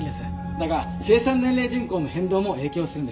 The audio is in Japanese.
だが生産年齢人口の変動も影響するんです。